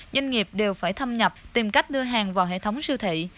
doanh nghiệp đều phải thâm nhập tìm cách đưa hàng vào hệ thống siêu thị